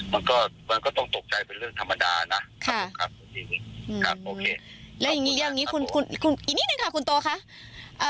มันก็ต้องตกใจเป็นเรื่องธรรมดานะครับโอเค